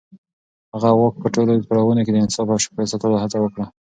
هغه د واک په ټولو پړاوونو کې د انصاف او شفافيت ساتلو هڅه وکړه.